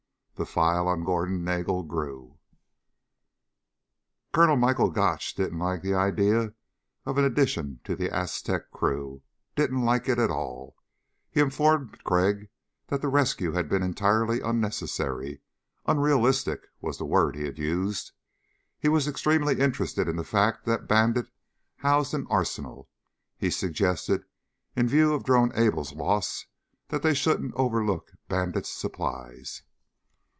The file on Gordon Nagel grew. Colonel Michael Gotch didn't like the idea of an addition to the Aztec crew. Didn't like it at all. He informed Crag that the rescue had been entirely unnecessary. Unrealistic, was the word he had used. He was extremely interested in the fact that Bandit housed an arsenal. He suggested, in view of Drone Able's loss, they shouldn't overlook Bandit's supplies.